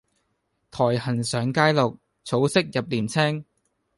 苔痕上階綠，草色入簾青